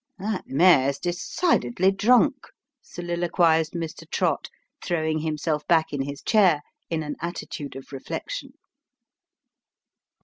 " That mayor's decidedly drunk," soliloquised Mr. Trott, throwing himself back in his chair, in an attitude of reflection.